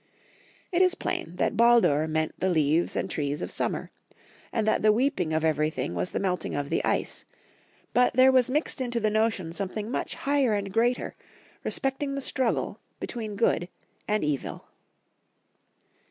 It is plam that Baldur meant the leaves and trees of summer, and that the weeping of everj'thing was the meltmg of the ice ; but there was mixed into the notion something much higher and greater re* specting the struggle between good and evil.